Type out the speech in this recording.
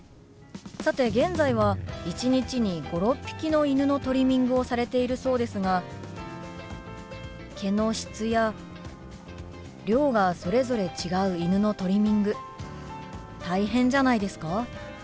さて現在は一日に５６匹の犬のトリミングをされているそうですが毛の質や量がそれぞれ違う犬のトリミング大変じゃないですか？